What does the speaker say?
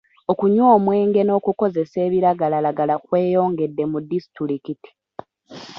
Okunywa omwenge n'okukozesa ebiragalalagala kweyongedde mu disitulikiti.